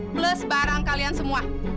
plus barang kalian semua